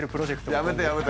やめてやめて！